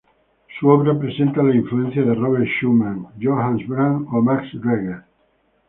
Su obra presenta la influencia de Robert Schumann, Johannes Brahms o Max Reger.